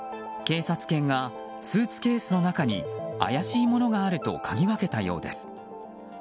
警察犬がスーツケースの中に怪しいものがあるとかぎ分けたようです。